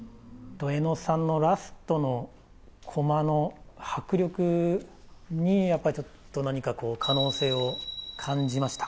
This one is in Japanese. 江野さんのラストのコマの迫力に、やっぱりちょっと何かこう、可能性を感じました。